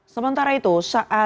sementara itu saat